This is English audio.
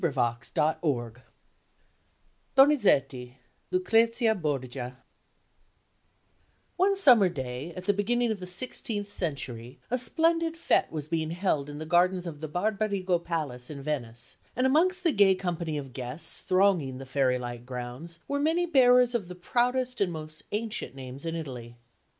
[Illustration: DONIZETTI] LUCREZIA BORGIA One summer day, at the beginning of the sixteenth century, a splendid fête was being held in the gardens of the Barberigo Palace in Venice; and amongst the gay company of guests thronging the fairy like grounds were many bearers of the proudest and most ancient names in Italy.